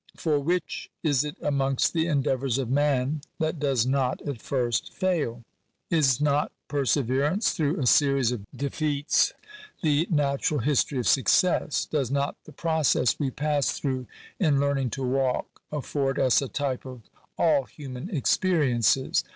For which is it amongst the endeavours of man that does not at first fail? Is not perseverance through a series of defeats the natural history of success? Does not the process we pass through in learning to walk afford us a type of all human experiences